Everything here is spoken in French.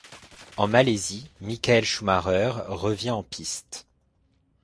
En Malaisie, Michael Schumacher revient en piste.